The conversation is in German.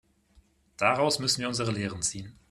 Daraus müssen wir unsere Lehren ziehen.